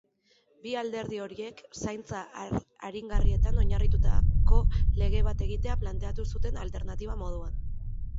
Bi alderdi horiek zaintza aringarrietan oinarritutako lege bat egitea planteatu zuten alternatiba moduan.